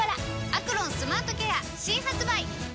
「アクロンスマートケア」新発売！